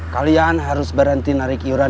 kalian harus berhenti narik iuran